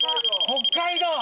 北海道。